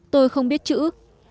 tôi không biết chữ